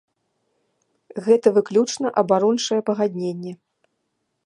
Гэта выключна абарончае пагадненне.